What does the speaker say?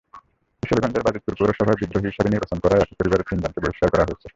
কিশোরগঞ্জের বাজিতপুর পৌরসভায় বিদ্রোহী হিসেবে নির্বাচন করায় একই পরিবারের তিনজনকে বহিষ্কার করা হয়েছে।